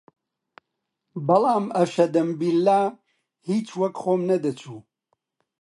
بەڵام ئەشەدەمبیللا هیچ وەک خۆم نەدەچوو